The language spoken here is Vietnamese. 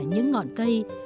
những ngọn cây